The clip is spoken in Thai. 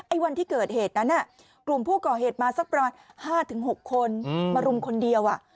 วันที่เกิดเหตุนั้นกลุ่มผู้ก่อเหตุมาสักประมาณ๕๖คนมารุมคนเดียว